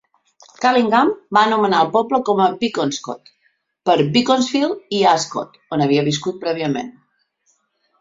Callingham va anomenar el poble com a "Bekonscot", per Beaconsfield i Ascot, on havia viscut prèviament.